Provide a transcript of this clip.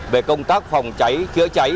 về công tác phòng cháy chữa cháy